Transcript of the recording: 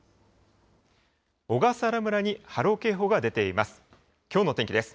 小笠原村に波浪警報が出ています。